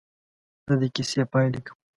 زه د کیسې پاې لیکم.